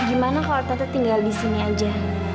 gimana kalau tete tinggal di sini aja